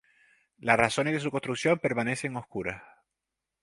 Las razones de su construcción permanecen oscuras.